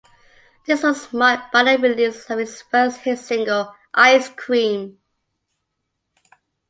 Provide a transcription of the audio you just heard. This was marked by the release of his first hit single, "Ice Cream".